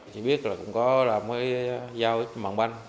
chỉ biết là cũng có làm với giao mạng banh